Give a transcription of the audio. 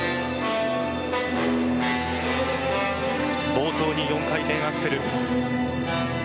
冒頭に４回転アクセル。